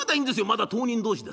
まだ当人同士ですから。